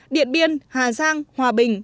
điện biên hà giang hòa bình